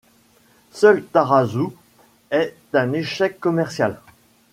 Seul Tarazu est un échec commercial.